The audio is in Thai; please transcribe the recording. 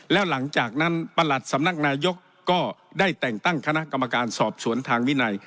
แล้วหลังจากนั้นประหลัดสำนักนายกก็ได้แต่งตั้งคณะกรรมการสอบสวนทางวินัย